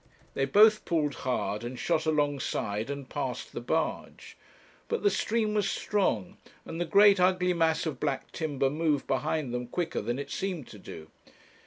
They both pulled hard, and shot alongside and past the barge. But the stream was strong, and the great ugly mass of black timber moved behind them quicker than it seemed to do.